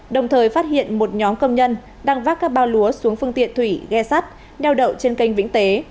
đồng thời phát hiện một nhóm công nhân đang vác các bao lúa xuống phương tiện thủy ghe sắt nheo đậu trên kênh vĩnh tế